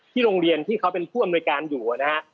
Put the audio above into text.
โรงเรียนที่เขาเป็นผู้อำนวยการอยู่นะฮะ